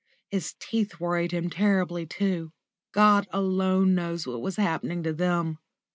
His teeth worried him terribly, too. God alone knows what was happening to them.